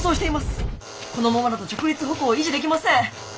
このままだと直立歩行を維持できません！」。